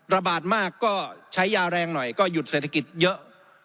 ระบาดมากก็ใช้ยาแรงหน่อยก็หยุดเศรษฐกิจเยอะ